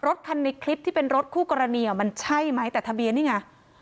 รถคันในคลิปที่เป็นรถคู่กรณีมันใช่ไหมแต่ทะเบียนนี่ไง